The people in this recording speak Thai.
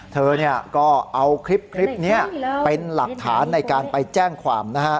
เธอก็เอาคลิปนี้เป็นหลักฐานในการไปแจ้งความนะฮะ